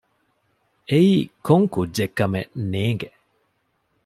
އެއީ ކޮން ކުއްޖެއްކަމެއް ނޭގެ